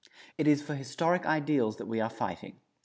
It is for historic ideals that we are fighting.